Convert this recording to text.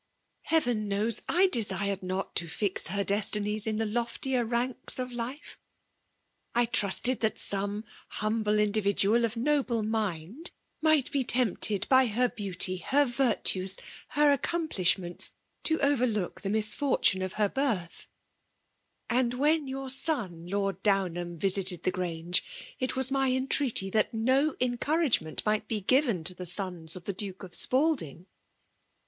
"Heaven knows, I desired not to fix her destinies in the loftier ranks of life ! I trusted Ihat some humble individual of noble mind flight be tempted by her beauty, her virtues, o3 29B nSMAtB DOMINATION. Ber accouqpMBhmettts, to overlook the misfer tune of her biartih ; and when year son Lord Domiham idsited the Grmge, it waa my en* treaty that no encouragement might be grrea to fhe sons ofthe Duke of Spalding.